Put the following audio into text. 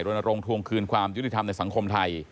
รณรงค์ทวงคืนความยุติธรรมในสังคมไทย